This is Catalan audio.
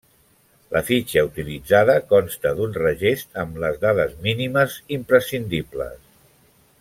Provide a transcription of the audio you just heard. La fitxa utilitzada consta d'un regest amb les dades mínimes imprescindibles.